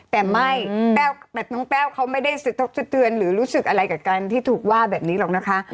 แต่ไม่น้องแต้วเขาไม่ได้สะทกสะเตือนหรือรู้สึกอะไรกับการที่ถูกว่าแบบนี้หรอกนะคะ